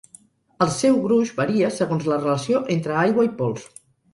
El seu gruix varia segons la relació entre aigua i pols.